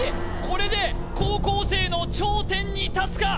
これで高校生の頂点に立つか？